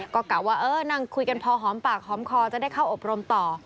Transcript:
ก็กะว่าเออนั่งคุยกันพอหอมปากหอมคอจะได้เข้าอบรมต่อ